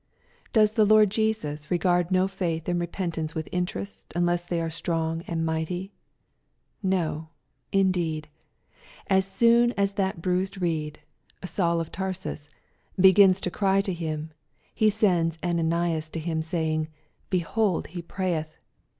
— Does the Lord Jesus regard no faith and repentance with interest, unless they are strong and mighty ? No I. indeed ! As soon as that bruised reed, Saul of Tarsus, begins to cry to Him, He sends Ananias to him, saying, " Behold he prayeth.''